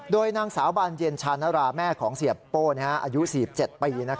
โดยนางสาวบานเย็นชานราแม่ของเสียโป้อายุ๔๗ปี